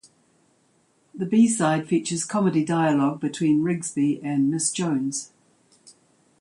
The B-side features comedy dialogue between Rigsby and Miss Jones.